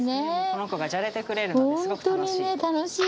この子がじゃれてくれるのですごく楽しい。